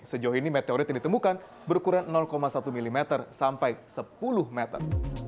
sejauh ini meteorit yang ditemukan berukuran satu mm sampai sepuluh meter